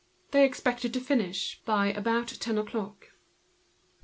They expected to finish about ten o'clock.